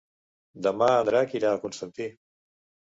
Demà en Drac irà a Constantí.